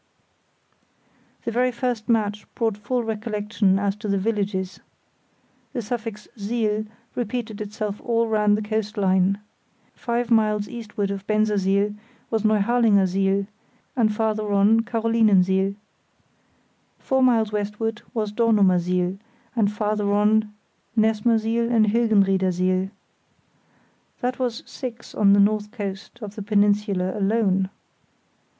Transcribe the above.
The very first match brought full recollection as to the villages. The suffix siel repeated itself all round the coast line. Five miles eastward of Bensersiel was Neuharlingersiel, and farther on Carolinensiel. Four miles westward was Dornumersiel; and farther on Nessmersiel and Hilgenriedersiel. That was six on the north coast of the peninsula alone.